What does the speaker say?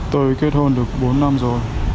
tôi kết hôn được bốn năm rồi